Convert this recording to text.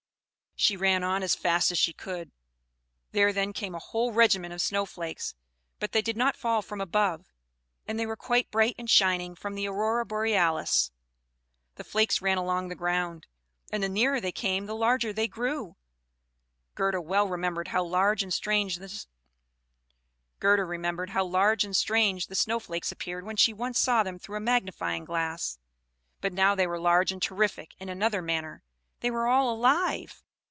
She ran on as fast as she could. There then came a whole regiment of snow flakes, but they did not fall from above, and they were quite bright and shining from the Aurora Borealis. The flakes ran along the ground, and the nearer they came the larger they grew. Gerda well remembered how large and strange the snow flakes appeared when she once saw them through a magnifying glass; but now they were large and terrific in another manner they were all alive.